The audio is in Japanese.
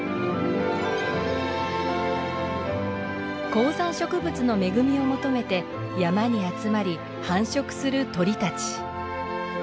高山植物の恵みを求めて山に集まり繁殖する鳥たち。